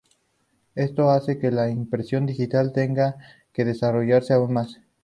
Esto hace que la impresión digital tenga que desarrollarse aún más.